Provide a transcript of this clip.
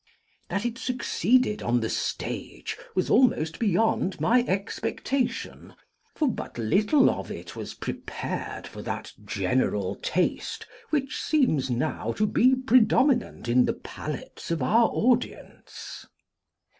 That it succeeded on the stage was almost beyond my expectation; for but little of it was prepared for that general taste which seems now to be predominant in the palates of our audience.